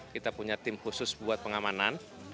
kita punya tim khusus buat pengamanan